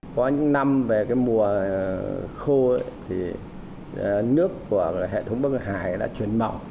có những năm về mùa khô thì nước của hệ thống bắc hải đã chuyển màu